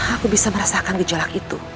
aku bisa merasakan gejolak itu